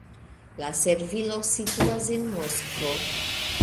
La servilo situas en Moskvo.